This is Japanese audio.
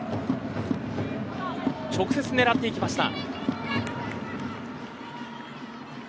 直接、狙っていきました。